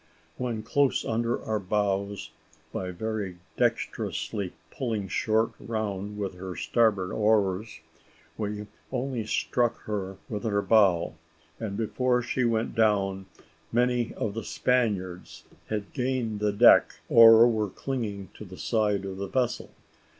When close under our bows, by very dexterously pulling short round with their starboard oars, we only struck her with our bow; and before she went down many of the Spaniards had gained the deck, or were clinging to the side of the vessel.